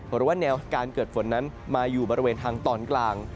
หรือว่าแนวการเกิดฝนนั้นมาอยู่บริเวณทางตอนกลาง